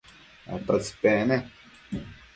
¿atótsi pec ne?